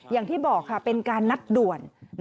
อย่างที่บอกค่ะเป็นการนัดด่วน